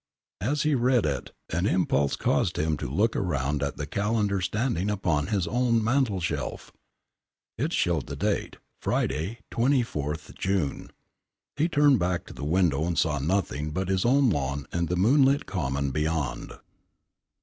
As he read it an impulse caused him to look round at the calendar standing upon his own mantel shelf. It showed the date, Friday, 24th June. He turned back to the window and saw nothing but his own lawn and the moonlit Common beyond.